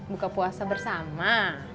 buka puasa bersama